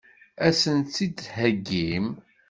Ad sent-tt-id-theggim?